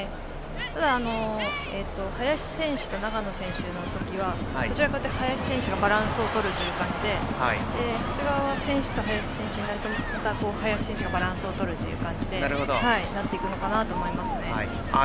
ただ、林選手と長野選手の時はどちらかというと林選手がバランスをとる感じで長谷川選手と林選手になると林選手がバランスを取る形になっていくのかなと思います。